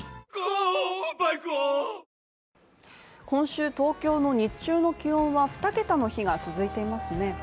今週東京の日中の気温は２桁の日が続いていますね